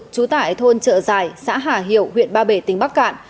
trú tại thôn trợ giải xã hà hiệu huyện ba bể tỉnh bắc cạn